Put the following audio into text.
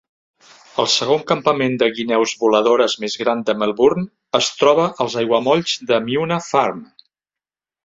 El segon campament de guineus voladores més gran de Melbourne es troba als aiguamolls de Myuna Farm.